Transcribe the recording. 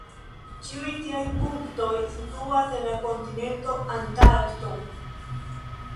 Ĉiuj tiaj punktoj situas en la kontinento Antarkto.